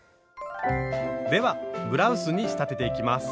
ではブラウスに仕立てていきます。